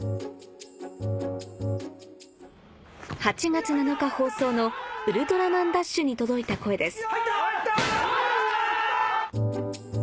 ８月７日放送の『ウルトラマンＤＡＳＨ』に届いた声です